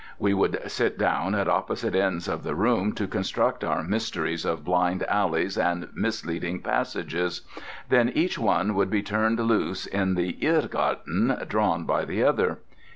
We would sit down at opposite ends of the room to construct our mysteries of blind alleys and misleading passages, then each one would be turned loose in the "irrgarten" drawn by the other.